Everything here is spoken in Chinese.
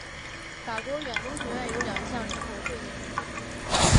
法国远东学院有两项成果最引人注目。